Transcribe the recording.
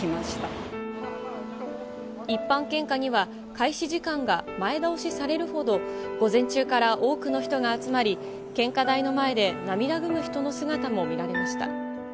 一般献花には、開始時間が前倒しされるほど、午前中から多くの人が集まり、献花台の前で涙ぐむ人の姿も見られました。